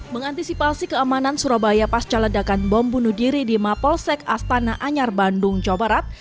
mengantisipasi keamanan surabaya pasca ledakan bom bunuh diri di mapolsek astana anyar bandung jawa barat